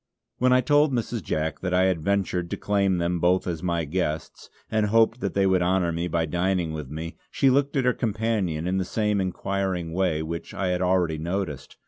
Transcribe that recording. When I told Mrs. Jack that I had ventured to claim them both as my guests, and hoped that they would honour me by dining with me, she looked at her companion in the same inquiring way which I had already noticed.